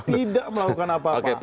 tidak melakukan apa apa